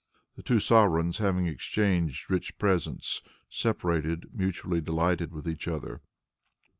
The two sovereigns, having exchanged rich presents, separated, mutually delighted with each other.